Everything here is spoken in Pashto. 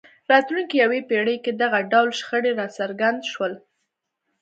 راتلونکې یوې پېړۍ کې دغه ډول شخړې راڅرګند شول.